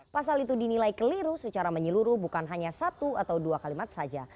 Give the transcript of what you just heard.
pasal itu dinilai keliru secara menyeluruh bukan hanya satu atau dua kalimat saja